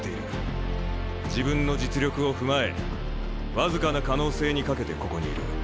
自分の実力を踏まえ僅かな可能性に懸けてここにいる。